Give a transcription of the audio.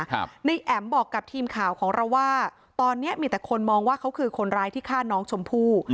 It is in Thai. ในแอ๋มบอกกับทีมข่าวของเราว่าตอนเนี้ยมีแต่คนมองว่าเขาคือคนร้ายที่ฆ่าน้องชมพู่